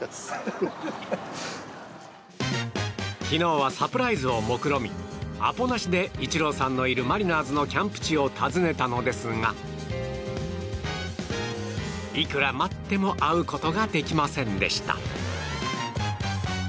昨日はサプライズをもくろみアポなしでイチローさんのいるマリナーズのキャンプ地を訪ねたのですがいくら待っても会うことができませんでした。